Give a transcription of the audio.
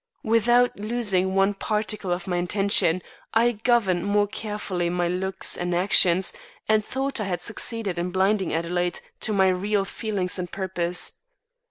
Without losing one particle of my intention, I governed more carefully my looks and actions, and thought I had succeeded in blinding Adelaide to my real feelings and purpose.